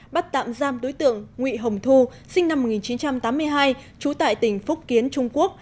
bắt tạm giam đối tượng nguy hồng thu sinh năm một nghìn chín trăm tám mươi hai trú tại tỉnh phúc kiến trung quốc